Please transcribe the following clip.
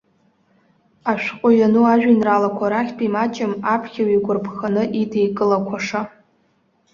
Ашәҟәы иану ажәеинраалақәа рахьтә имаҷым аԥхьаҩ игәарԥханы идикылақәаша.